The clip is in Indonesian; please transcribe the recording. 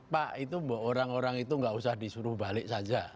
pak itu orang orang itu nggak usah disuruh balik saja